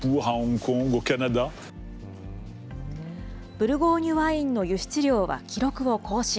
ブルゴーニュワインの輸出量は記録を更新。